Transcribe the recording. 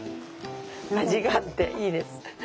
味があっていいです。